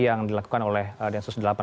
yang dilakukan oleh densus delapan puluh delapan